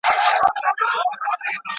پرېږده چي موږ په دې تیارو کي رڼا ولټوو.